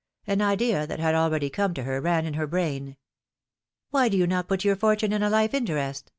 An idea that had already come to her ran in her brain. Why do you not put your fortune in a life interest?